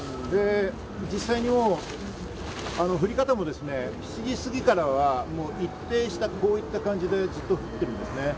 実際に降り方も７時過ぎからは一転して、こういった感じで降ってるんです。